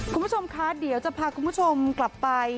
คุณผู้ชมคะเดี๋ยวจะพาคุณผู้ชมกลับไป